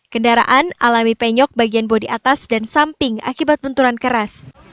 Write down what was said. kendaraan alami penyok bagian bodi atas dan samping akibat benturan keras